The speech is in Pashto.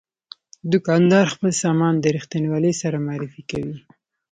دوکاندار خپل سامان د رښتینولۍ سره معرفي کوي.